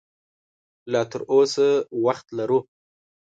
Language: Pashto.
لا تراوسه وخت لرو